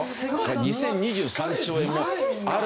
２０２３兆円もあるんですよ。